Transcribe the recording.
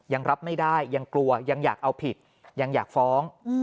ยังรับไม่ได้ยังกลัวยังอยากเอาผิดยังอยากฟ้อง